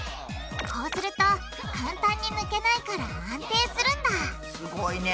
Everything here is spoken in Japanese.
こうすると簡単に抜けないから安定するんだすごいね。